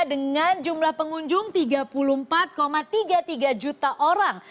dengan jumlah pengunjung tiga puluh empat tiga puluh tiga juta orang